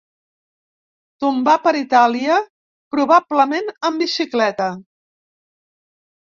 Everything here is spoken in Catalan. Tombar per Itàlia, probablement en bicicleta.